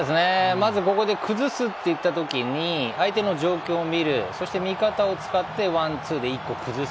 まず、ここで崩すといった時に相手の状況を見るそして味方を使ってワンツーで１個崩す。